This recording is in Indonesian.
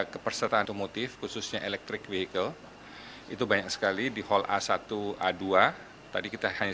kepersertaan otomotif khususnya electric vehicle itu banyak sekali di hall a satu a dua tadi kita hanya